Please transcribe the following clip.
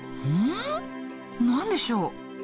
うん？何でしょう？